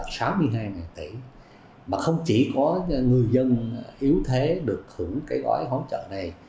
mà các cái dân dân yếu thế được hưởng cái gói hỗ trợ này mà không chỉ có người dân yếu thế được hưởng cái gói hỗ trợ này